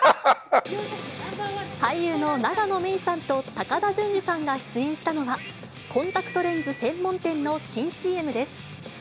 俳優の永野芽郁さんと高田純次さんが出演したのは、コンタクトレンズ専門店の新ＣＭです。